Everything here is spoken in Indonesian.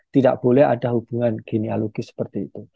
tidak boleh ada hubungan gineologis seperti itu